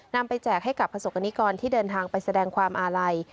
ไปแจกให้กับประสบกรณิกรที่เดินทางไปแสดงความอาลัย